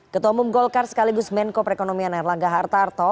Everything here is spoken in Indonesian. ketua umum golkar sekaligus menko perekonomian erlangga hartarto